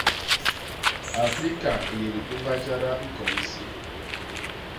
Afrika i yé lituñga jada li ñkoñ isi.